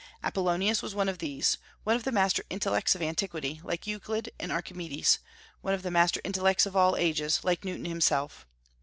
Apollonius was one of these, one of the master intellects of antiquity, like Euclid and Archimedes; one of the master intellects of all ages, like Newton himself.